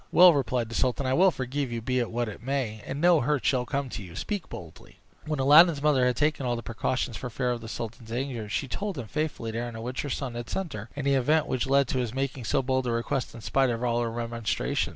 "Well,". replied the sultan, "I will forgive you, be it what it may, and no hurt shall come to you. Speak boldly." When Aladdin's mother had taken all these precautions for fear of the sultan's anger, she told him faithfully the errand on which her son had sent her, and the event which led to his making so bold a request in spite of all her remonstrances.